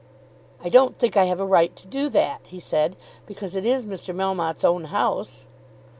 "I don't think I have a right to do that," he said, "because it is Mr. Melmotte's own house."